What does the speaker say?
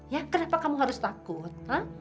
ya kenapa kamu harus takut